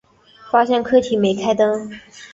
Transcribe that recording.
发现客厅没开灯